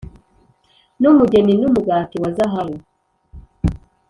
numugeni wumugati wa zahabu